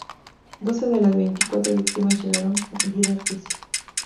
Doce de las veinticuatro víctimas llegaron con vida al juicio.